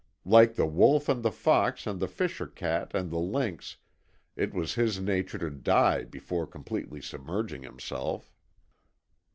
Like the wolf and the fox and the fisher cat and the lynx it was his nature to die before completely submerging himself.